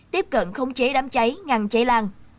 tiếp cận khống chế đám cháy ngăn cháy lan